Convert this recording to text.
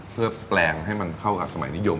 เพื่อแปลงให้มันเข้ากับสมัยนิยม